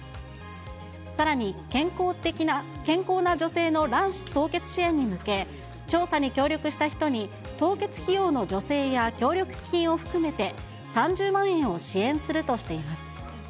さらに、健康な女性の卵子凍結支援に向け、調査に協力した人に凍結費用の助成や、協力金を含めて、３０万円を支援するとしています。